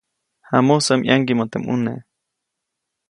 Jamusä ʼmaŋgiʼmä teʼ ʼmune.